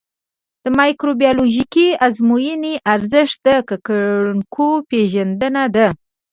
د مایکروبیولوژیکي ازموینې ارزښت د ککړونکو پېژندنه ده.